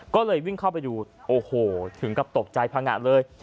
ก็เลยวิ่งเข้าไปดูโอ้โหถึงกับตกใจพังงะเลย